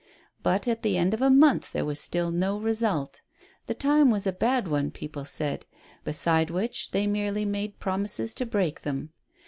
But at the end of a month there was still no result. The time was a bad one, people said; besides which they merely made prom ises to break them.